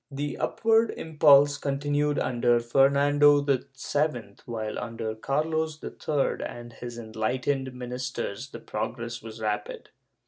* The upw^ard impulse continued under Fernando VII, while, under Carlos III and his enlightened ministers the progress was rapid.